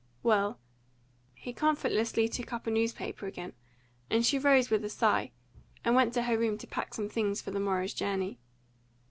"Well." He comfortlessly took up a newspaper again, and she rose with a sigh, and went to her room to pack some things for the morrow's journey.